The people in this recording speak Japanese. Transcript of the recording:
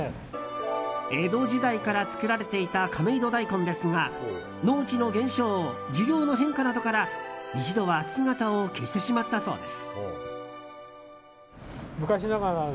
江戸時代から作られていた亀戸大根ですが農地の減少、需要の変化などから一度は姿を消してしまったそうです。